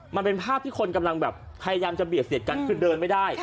มันเป็นภาพที่คนกำลังจำเปียกเสียกันคือเดินไม่ได้